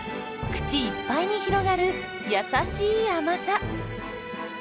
口いっぱいに広がる優しい甘さ。